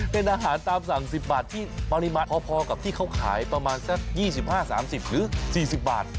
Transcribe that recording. เป็นอาหารตามสั่ง๑๐บาทที่ปริมาณพอกับที่เขาขายประมาณสัก๒๕๓๐หรือ๔๐บาท